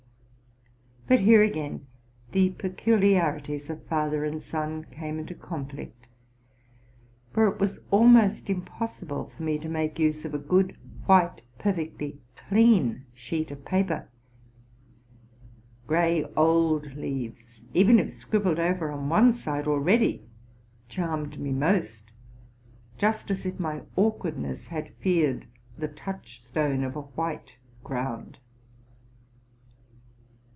But here again the peculiarities of father and son came into conflict: for it was almost impossible for me to make use of a good, white, perfectly clean sheet of paper; gray old leaves, even if scribbled over on one side already, charmed me most, just as if my awkwardness had feared the touchstone of a white ground.